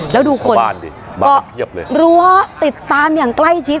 แล้วดูคนก็รัวติดตามอย่างใกล้ชิด